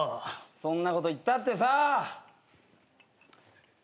そんなこと言ったってさ！